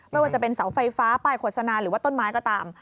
ไม่ว่าจะเป็นเสาไฟฟ้าป้ายโฆษณาหรือว่าต้นไม้ก็ตาม